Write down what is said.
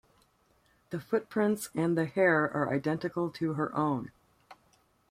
The footprints and the hair are identical to her own.